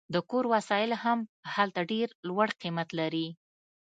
د کور وسایل هم هلته ډیر لوړ قیمت لري